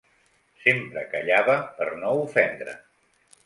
Sempre callava per no ofendre.